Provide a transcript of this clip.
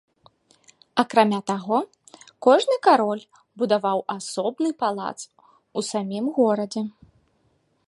Акрамя таго, кожны кароль будаваў асобны палац у самім горадзе.